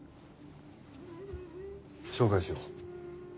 紹介しよう。